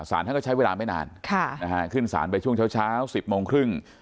สารท่านก็ใช้เวลาไม่นานค่ะนะฮะขึ้นสารไปช่วงเช้าเช้าสิบโมงครึ่ง